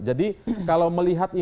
jadi kalau melihat